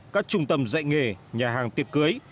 các trung tâm dạy nghề nhà hàng tiệc cưới